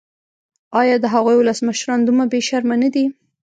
ایا د هغوی ولسمشران دومره بې شرمه نه دي.